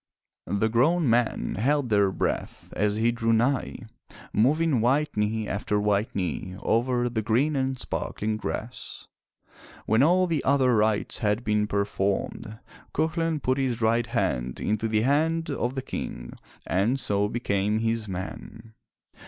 The grown men held their breath as he drew nigh, moving white knee after white knee over the green and sparkling grass. When all the other rites had been performed, Cuchulain put his right hand into the right hand of the King and so became his man.